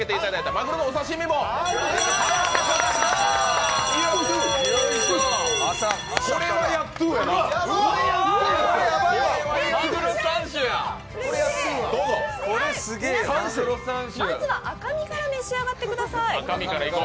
まずは赤身から召し上がってください。